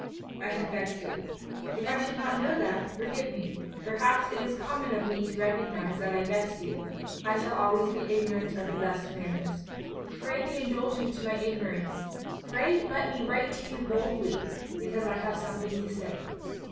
I had vexed you. If I should not know that, forgive me; perhaps it is common of me to recognise that I vexed you — I shall always be ignorant of the best manners. Pray be indulgent to my ignorance, pray let me write to you boldly, because I have something to say.